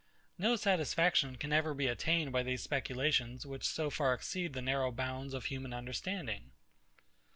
No satisfaction can ever be attained by these speculations, which so far exceed the narrow bounds of human understanding.